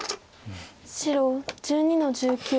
白１２の十九。